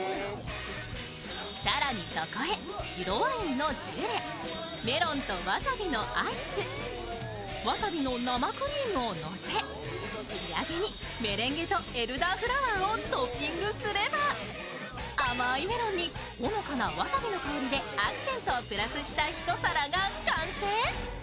更にそこへ白ワインのジュレ、メロンとわさびのアイス、わさびの生クリームをのせ仕上げにメレンゲとエルダーフラワーをトッピングすれば甘いメロンにほのかなわさびの香りでアクセントをプラスした一皿が完成。